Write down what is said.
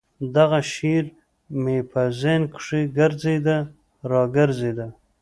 دغه شعر مې په ذهن کښې ګرځېده راګرځېده.